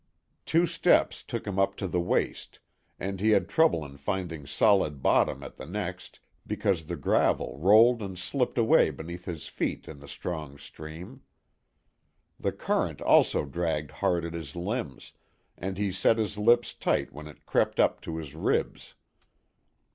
Two steps took him up to the waist, and he had trouble in finding solid bottom at the next, because the gravel rolled and slipped away beneath his feet in the strong stream. The current also dragged hard at his limbs, and he set his lips tight when it crept up to his ribs.